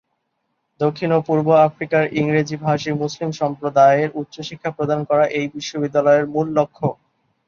দক্ষিণ ও পূর্ব আফ্রিকার ইংরেজিভাষী মুসলিম সম্প্রদায়ের উচ্চ শিক্ষা প্রদান করা এই বিশ্ববিদ্যালয়ের মূল লক্ষ্য।